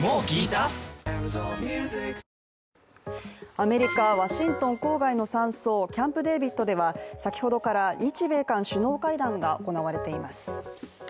アメリカ・ワシントン郊外の山荘キャンプデービッドでは、先ほどから日米韓首脳会談が行われています。